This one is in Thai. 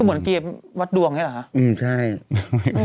ก็เหมือนเกียร์วัดดวงใช่หรือคะอืมใช่